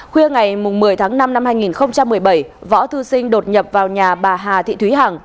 khuya ngày một mươi tháng năm năm hai nghìn một mươi bảy võ thư sinh đột nhập vào nhà bà hà thị thúy hằng